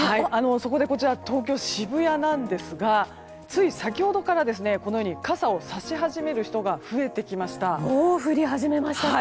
そこでこちら東京・渋谷なんですがつい先ほどからこのように傘をさし始める人がもう降り始めましたか。